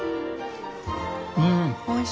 うん！